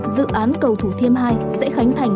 dự án cầu thủ thiêm hai sẽ khánh thành